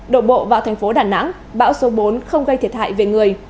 đổ bộ vào thành phố đà nẵng bão số bốn không gây thiệt hại về người